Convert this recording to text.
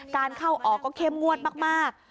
การเข้าออกก็เข้มงวดมาก